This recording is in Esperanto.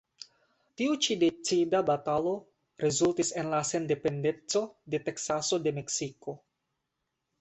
Tiu ĉi decida batalo rezultis en la sendependeco de Teksaso de Meksiko.